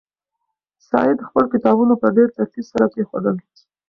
سعید خپل کتابونه په ډېر ترتیب سره کېښودل.